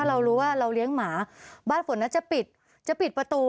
เรารู้ว่าเราเลี้ยงหมาบ้านฝนน่าจะปิดจะปิดประตู